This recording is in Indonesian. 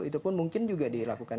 itu pun mungkin juga dilakukan